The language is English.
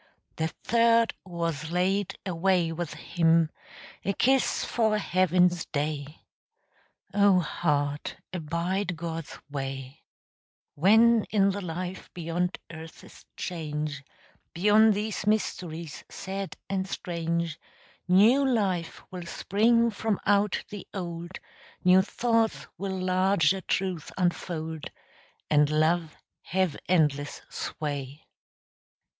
The third was laid away with him, A kiss for heaven's day, (O heart abide God's way) When in the life beyond earth's change, Beyond these mysteries sad and strange, New life will spring from out the old, New thoughts will larger truth unfold, And love have endless sway.